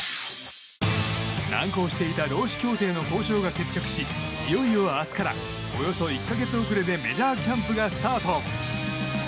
難航していた労使協定の交渉が決着しいよいよ明日からおよそ１か月遅れでメジャーキャンプがスタート。